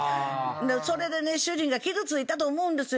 それでね主人が傷ついたと思うんですよ。